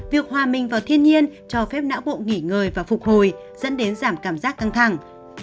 việc hòa mình vào thiên nhiên cho phép não bộ nghỉ ngơi và phục hồi dẫn đến giảm cảm giác căng thẳng